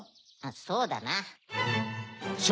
そうだな。